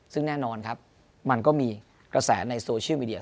ซึ่งแน่นอนครับมันก็มีกระแสในโซเชียลมีเดีย